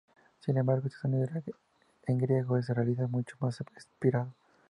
Sin embargo, este sonido en griego se realiza mucho más aspirado.